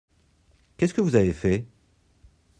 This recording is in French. Qu'est-ce que vous avez fait ?